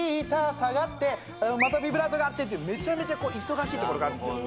下がってまたビブラートがあってってめちゃめちゃ忙しいところがあるんですよ。